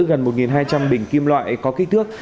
gần một hai trăm linh bình kim loại có kích thước